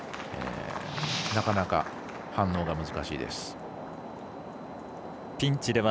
なかなか反応が難しいです。